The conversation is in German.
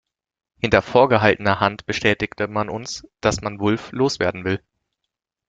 Hinter vorgehaltener Hand bestätigte man uns, dass man Wulff loswerden will.